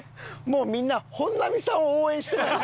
もうみんな本並さんを応援してない？